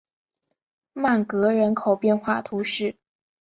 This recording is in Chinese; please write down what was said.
曼戈人口变化图示